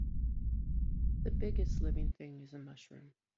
The biggest living thing is a mushroom.